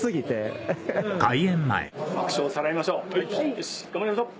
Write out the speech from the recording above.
よし頑張りましょう。